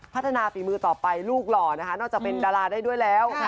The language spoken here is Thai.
ฝีมือต่อไปลูกหล่อนะคะนอกจากเป็นดาราได้ด้วยแล้ว